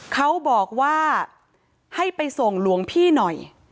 เขาบอกว่าให้ไปส่งหลวงพี่หน่อย